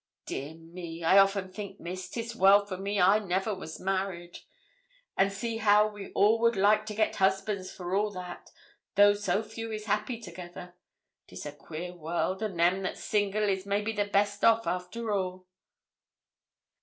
Dear me! I often think, Miss, 'tis well for me I never was married. And see how we all would like to get husbands for all that, though so few is happy together. 'Tis a queer world, and them that's single is maybe the best off after all.'